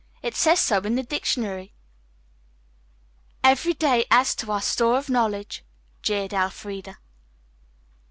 It says so in the dictionary." "Every day adds to our store of knowledge," jeered Elfreda.